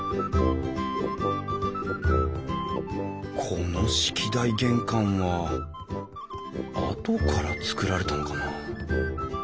この式台玄関は後から造られたのかなあ